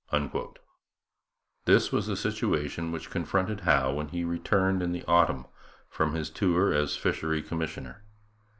This was the situation which confronted Howe when he returned in the autumn from his tour as fishery commissioner.